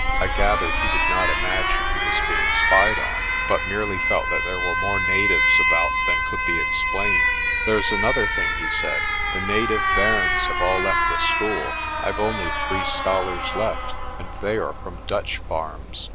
I gathered he did not imagine he was being spied on, but merely felt that there were more natives about than could be explained. "There's another thing," he said. "The native bairns have all left the school. Pve only three scholars left, and they are from Dutch farms.